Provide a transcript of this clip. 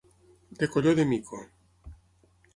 De colló de mico.